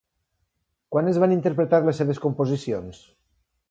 Quan es van interpretar les seves composicions?